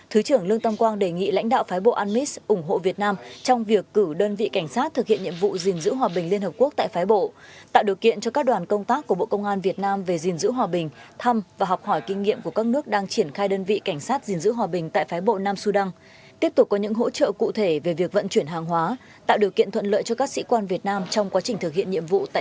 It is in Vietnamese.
thứ trưởng lương tâm quang đề nghị lãnh đạo phái bộ anmis ủng hộ việt nam trong việc cử đơn vị cảnh sát thực hiện nhiệm vụ gìn giữ hòa bình liên hợp quốc tại phái bộ tạo điều kiện cho các đoàn công tác của bộ công an việt nam về gìn giữ hòa bình thăm và học hỏi kinh nghiệm của các nước đang triển khai đơn vị cảnh sát gìn giữ hòa bình tại phái bộ nam sudan tiếp tục có những hỗ trợ cụ thể về việc vận chuyển hàng hóa tạo điều kiện thuận lợi cho các sĩ quan việt nam trong quá trình thực hiện nhiệm vụ tại địa bàn